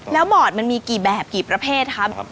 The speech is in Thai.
แล้วบอร์ดมันมีกี่แบบกี่ประเภทครับ